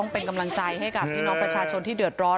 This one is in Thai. เป็นกำลังใจให้กับพี่น้องประชาชนที่เดือดร้อน